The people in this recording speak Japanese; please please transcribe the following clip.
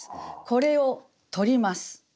これを取ります。